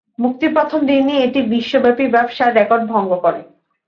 মুক্তির প্রথম দিনেই এটি বিশ্বব্যাপী ব্যবসার রেকর্ড ভঙ্গ করে।